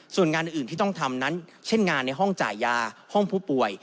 ส่วนงานอื่นที่ต้องทำนั้นเช่นงานในห้องจ่ายยาห้องผู้ป่วย